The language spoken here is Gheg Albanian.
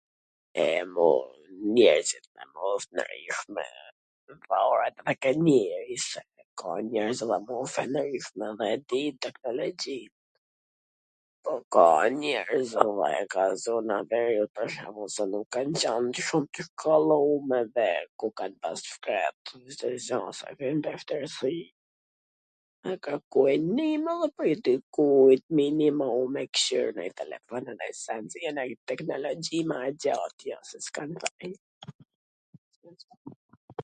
E mor, njerzit nw mosh tw ndryshme, varet dhe nga njerzit, ka njerz edhe nw mosh dhe din teknologjin, po ka dhe njerwz andej nga zona e veriut pwr shwmbull si nuk kan qwn shum t shkollum edhe ku kan pas t shkretwt gja dhe hasin veshtirsi me kwrkue nim edhe prej dikujt me i nimu me kqyr nonj telefon e nonj send, jo, nanj teknologji ma e gjat, jo,